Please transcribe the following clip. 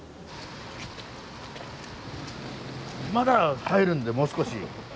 まだ入るんでもう少し。